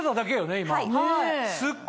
今。